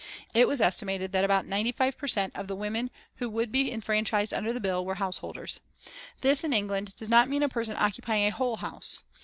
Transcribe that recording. It was estimated that about ninety five per cent. of the women who would be enfranchised under the bill were householders. This, in England, does not mean a person occupying a whole house.